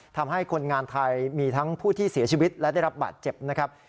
ทำให้คนงานไทยมีทั้งผู้ที่เสียชีวิตและได้รับบาดเจ็บนะครับ